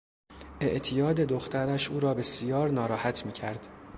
اعتیاد دخترش او را بسیار ناراحت میکرد.